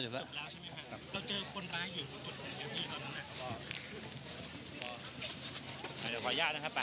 เจอคนร้ายอยู่จดแผ่งเยี่ยมอีกครั้งนึงนะครับ